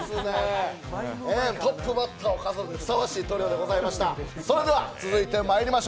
トップバッターを飾るにふさわしいトリオでございました。